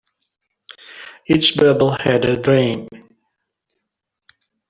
Each bubble had a drain.